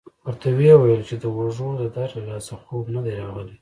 ورته ویې ویل چې د اوږو د درد له لاسه خوب نه دی راغلی.